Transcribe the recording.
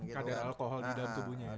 kadar alkohol di dalam tubuhnya ya